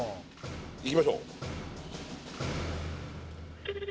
いきましょう